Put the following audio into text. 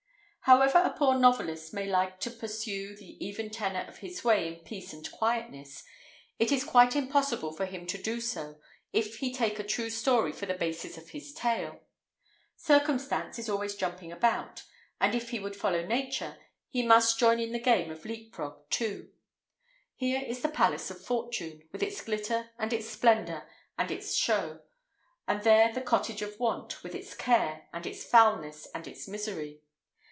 However a poor novelist may like to pursue the even tenor of his way in peace and quietness, it is quite impossible for him to do so if he take a true story for the basis of his tale. Circumstance is always jumping about; and if he would follow nature, he must join in the game of leap frog too. Here is the palace of Fortune, with its glitter, and its splendour, and its show; and there the cottage of Want, with its care, and its foulness, and its misery.